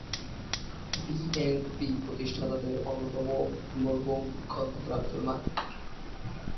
BNP প্রতিষ্ঠাতাদের অন্যতম মরহুম খন্দকার আব্দুল মালিক।